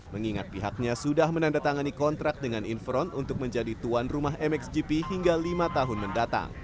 mengingat pihaknya sudah menandatangani kontrak dengan infront untuk menjadi tuan rumah mxgp hingga lima tahun mendatang